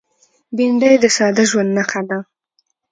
بېنډۍ د ساده ژوند نښه ده